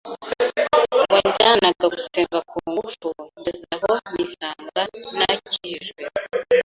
wanjyanaga gusenga ku ngufu ngeze aho nisanga nakijijwe,